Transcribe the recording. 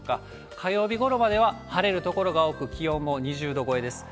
火曜日ごろまでは晴れる所が多く、気温も２０度超えです。